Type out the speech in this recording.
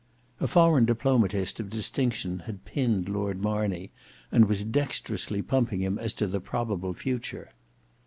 A foreign diplomatist of distinction had pinned Lord Marney, and was dexterously pumping him as to the probable future.